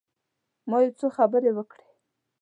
ما یو څو خبرې وکړې.